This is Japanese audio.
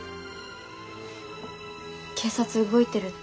警察動いてるって。